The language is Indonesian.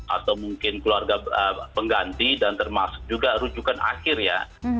atau mungkin keluarga pengganti dan termasuk juga rujukan akhir ya